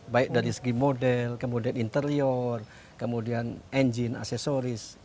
baik dari segi model kemudian interior kemudian engine aksesoris